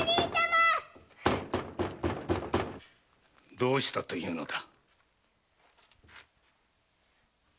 どうしたというのだ？